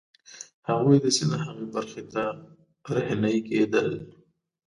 هغوی د سیند هغې برخې ته رهنيي کېدل.